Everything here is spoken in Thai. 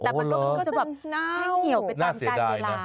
แต่มันก็จะแบบให้เหนียวไปตามการเวลาน่าเสียดายนะ